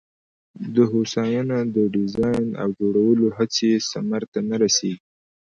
د هوساینه د ډیزاین او جوړولو هڅې ثمر ته نه رسېږي.